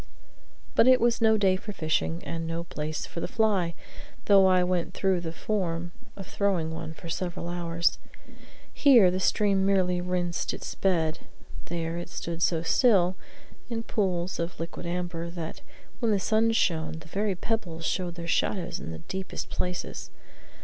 But it was no day for fishing, and no place for the fly, though I went through the form of throwing one for several hours. Here the stream merely rinsed its bed, there it stood so still, in pools of liquid amber, that, when the sun shone, the very pebbles showed their shadows in the deepest places.